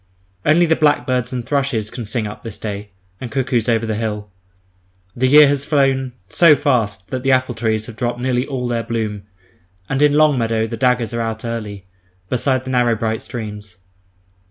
Only the blackbirds and thrushes can sing up this day, and cuckoos over the hill. The year has flown so fast that the apple trees have dropped nearly all their bloom, and in "long meadow" the "daggers" are out early, beside the narrow bright streams.